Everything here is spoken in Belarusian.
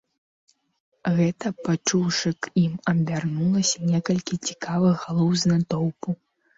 Гэта пачуўшы, к ім абярнулася некалькі цікавых галоў з натоўпу.